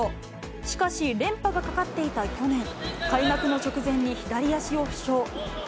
しかし、連覇がかかっていた去年、開幕の直前に左足を負傷。